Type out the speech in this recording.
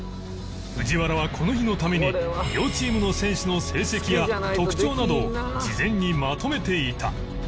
藤原はこの日のために両チームの選手の成績や特徴などを事前にまとめていた